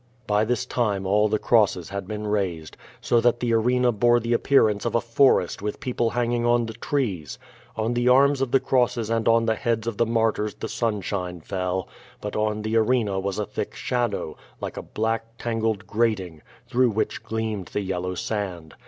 By this time all the crosses had been raised, so that the arena bore the appearance of a forest with people hanging on the trees. On the arms of the crosses and on the heads A the martyrs the sunshine fell, but on the arena was a thick shadow, like a black, tangled grating, through which gleamed the yellow sand.